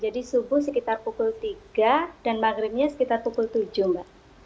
jadi subuh sekitar pukul tiga dan maghribnya sekitar pukul tujuh mbak